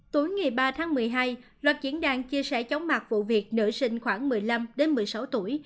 tối ngày ba tháng một mươi hai loạt diễn đàn chia sẻ chóng mặt vụ việc nữ sinh khoảng một mươi năm một mươi sáu tuổi